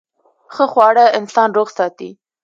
ښه خواړه انسان روغ ساتي.